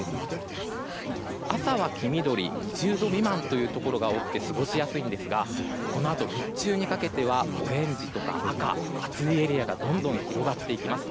朝は黄緑、２０度未満のところが多くて過ごしやすいんですがこのあと日中にかけてはオレンジとか赤、暑いエリアがどんどん広がっていきます。